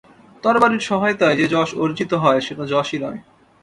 তরবারির সহায়তায় যে যশ অর্জিত হয়, সেটা যশই নয়।